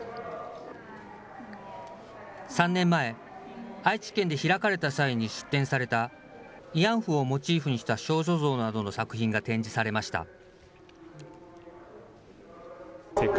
３年前、愛知県で開かれた際に出展された、慰安婦をモチーフにした少女像などの作品が展示されました。